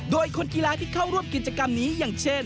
โดยคนกีฬาที่เข้าร่วมกิจกรรมนี้อย่างเช่น